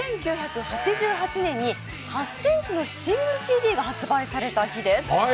１９８８年に８ｃｍのシングルＣＤが発売された日です。